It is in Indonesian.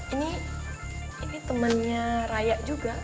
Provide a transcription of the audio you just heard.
ini temennya raya juga